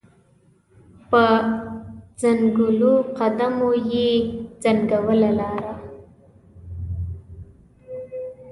په ځنګولو قدمو یې ځنګوله لاره